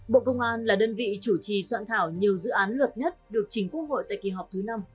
bộ công an là đơn vị chủ trì soạn thảo nhiều dự án luật nhất được chính quốc hội tại kỳ họp thứ năm